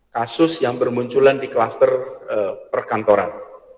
kasus yang bermunculan di kluster perkantoran